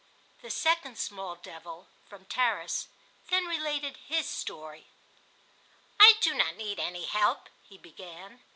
The second small devil (from Tarras) then related his story. "I do not need any help," he began.